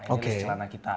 ini celana kita